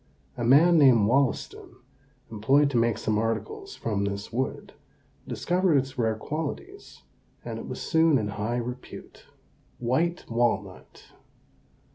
A man named Wollaston, employed to make some articles from this wood, discovered its rare qualities, and it was soon in high repute. WHITE WALNUT.